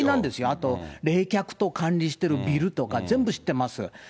あと、冷却塔管理しているビルとか、全部知ってます。